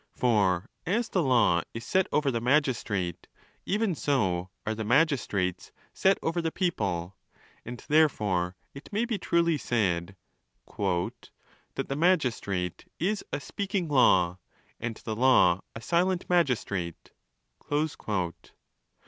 For as the law is set over the magistrate, even so are the magistrates set; 462 | ON THE LAWS,' over the people. And, therefore, it may be truly said, "that the magistrate is a speaRing law, and the law a silent magis trate."